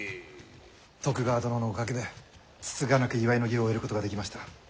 徳川殿のおかげでつつがなく祝いの儀を終えることができました。